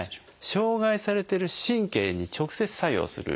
障害されてる神経に直接作用する。